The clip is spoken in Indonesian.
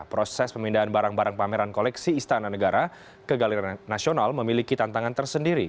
proses pemindahan barang barang pameran koleksi istana negara ke galiran nasional memiliki tantangan tersendiri